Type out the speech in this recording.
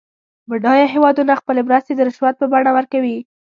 بډایه هېوادونه خپلې مرستې د رشوت په بڼه ورکوي.